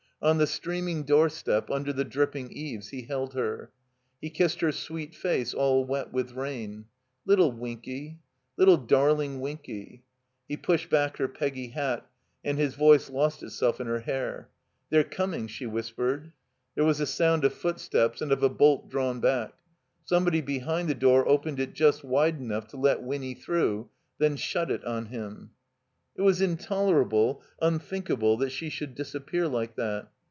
On the streaming doorstep, under the dripping eaves, he held her. He kissed her sweet face all wet with rain. '•Little Winky—Httle darling Winky." He pushed back her Peggy hat, and his voice lost itself in her hair. ''They're coming," she whispered. There was a sound of footsteps and of a bolt drawn back. Somebody behind the door opened it just wide enough to let Winny through, then shut it on him. It was intolerable, unthinkable, that she should disappear like that.